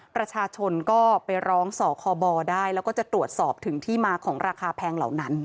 ประชาชนก็ไปร้องสคบได้แล้วก็จะตรวจสอบถึงที่มาของราคาแพงเหล่านั้น